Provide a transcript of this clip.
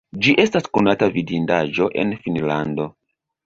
Ĝi estas konata vidindaĵo en Finnlando.